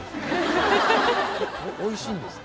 おいしいんですね。